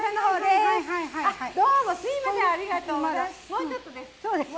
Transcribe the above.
もうちょっとです。